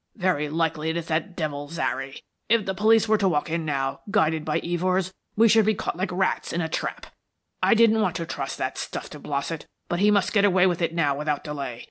Very likely it is that devil Zary. If the police were to walk in now, guided by Evors, we should be caught like rats in a trap. I didn't want to trust that stuff to Blossett, but he must get away with it now without delay.